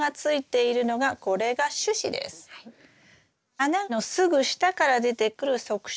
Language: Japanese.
花のすぐ下から出てくる側枝